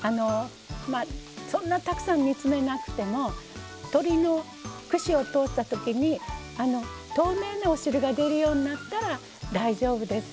そんなにたくさん煮詰めなくても鶏の串が通ったときに透明なお汁が出るようになったら大丈夫です。